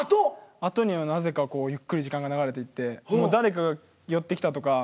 あとになぜかこうゆっくり時間が流れていって誰かが寄ってきたとか。